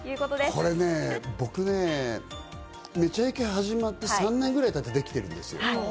これね、僕ね、『めちゃイケ』始まって３年ぐらいたってできてるんですよ。